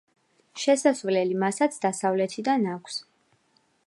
შესასვლელი მასაც დასავლეთიდან აქვს.